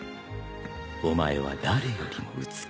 お前は誰よりも美しい。